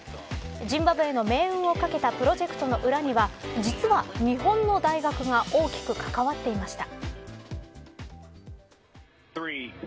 ジンバブエの命運をかけたプロジェクトの裏には実は日本の大学が大きく関わっていました。